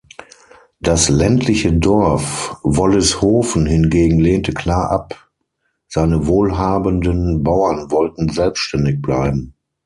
Das ländliche Dorf Wollishofen hingegen lehnte klar ab; seine wohlhabenden Bauern wollten selbständig bleiben.